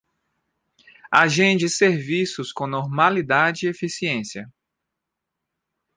Agende serviços com normalidade e eficiência.